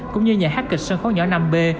cũng như nhà hát kịch sân khấu nhỏ năm b